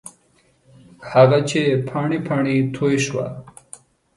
هغه چې پاڼې، پاڼې توی شوه